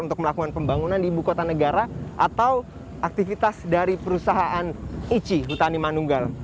untuk melakukan pembangunan di bukatan negara atau aktivitas dari perusahaan ichi hutanimanunggal